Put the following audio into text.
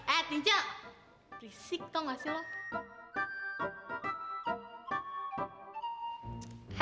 eh tinci risik tau gak sih lo